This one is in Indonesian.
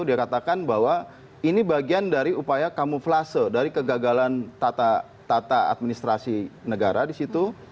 dia katakan bahwa ini bagian dari upaya kamuflase dari kegagalan tata administrasi negara di situ